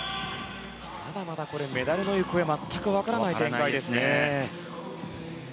まだまだメダルの行方全く分からない展開ですね。